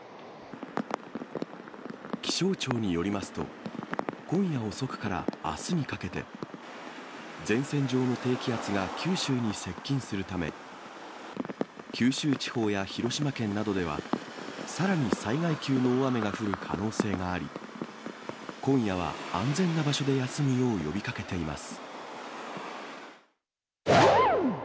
気象庁によりますと、今夜遅くからあすにかけて、前線上の低気圧が九州に接近するため、九州地方や広島県などでは、さらに災害級の大雨が降る可能性があり、今夜は安全な場所で休むよう呼びかけています。